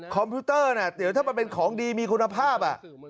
คอมพิวเตอร์หรือถ้ามันเป็นของดีมีคุณภาพ